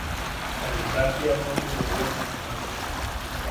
Ta jita si ama ujyoiriakan junako.